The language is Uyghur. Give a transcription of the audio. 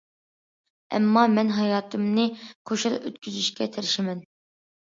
ئەمما، مەن ھاياتىمنى خۇشال ئۆتكۈزۈشكە تىرىشىمەن.